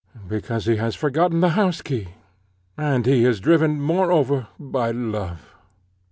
Because he has forgotten the house key, and he is driven moreover by love."